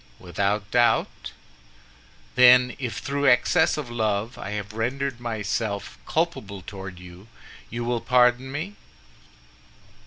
"Without doubt." "Then if through excess of love I have rendered myself culpable toward you, you will pardon me?"